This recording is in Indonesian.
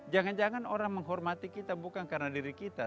jangan jangan orang menghormati kita bukan karena diri kita